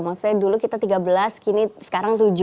maksudnya dulu kita tiga belas kini sekarang tujuh